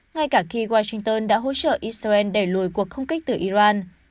ngay cả khi washington đã hỗ trợ israel đẩy lùi cuộc không kích từ iran